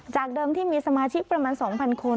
เดิมที่มีสมาชิกประมาณ๒๐๐คน